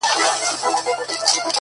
• بېګانه سي له وطنه له خپلوانو ,